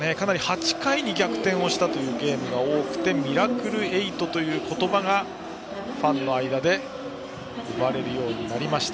８回に逆転したゲームが多くてミラクルエイトという言葉がファンの間で生まれるようになりました。